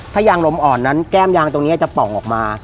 ถ้ายางลมอ่อนนั้นแก้มยางตรงนี้จะป่องออกมา